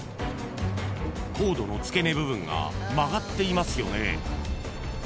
［コードの付け根部分が曲がっていますよね］